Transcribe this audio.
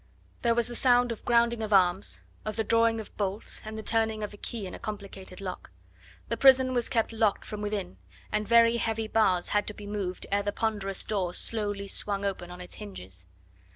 There was the sound of grounding of arms, of the drawing of bolts and the turning of a key in a complicated lock. The prison was kept locked from within, and very heavy bars had to be moved ere the ponderous door slowly swung open on its hinges.